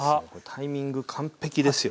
タイミング完璧ですよね。